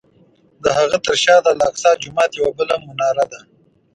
د هغه تر شا د الاقصی جومات یوه بله مناره ده.